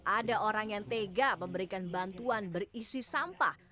ada orang yang tega memberikan bantuan berisi sampah